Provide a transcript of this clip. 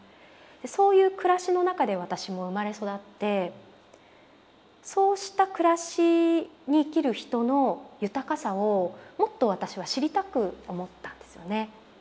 そういう暮らしの中で私も生まれ育ってそうした暮らしに生きる人の豊かさをもっと私は知りたく思ったんですよね。